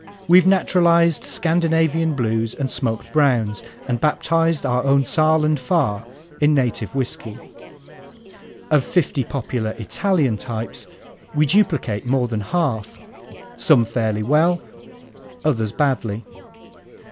We've naturalized Scandinavian Blues and smoked browns and baptized our own Saaland Pfarr in native whiskey. Of fifty popular Italian types we duplicate more than half, some fairly well, others badly.